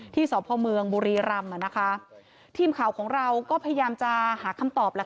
สพเมืองบุรีรำทีมข่าวของเราก็พยายามจะหาคำตอบแหละค่ะ